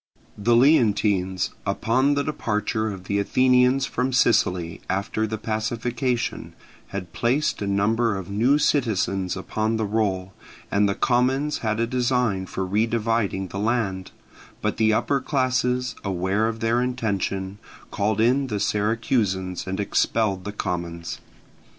The Leontines, upon the departure of the Athenians from Sicily after the pacification, had placed a number of new citizens upon the roll, and the commons had a design for redividing the land; but the upper classes, aware of their intention, called in the Syracusans and expelled the commons.